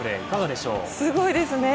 すごいですね！